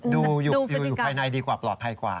ดูอยู่ภายในดีกว่าปลอดภัยกว่า